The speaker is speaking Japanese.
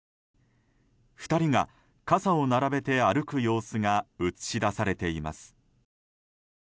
２人が傘を並べて歩く様子が映し出されています。